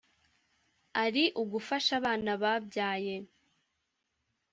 ari ugufasha abana babyaye